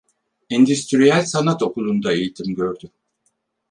Endüstriyel Sanat Okulu'nda eğitim gördü.